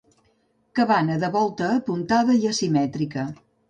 Cabana de volta apuntada i asimètrica.